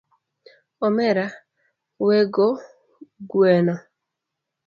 Omera wego gueno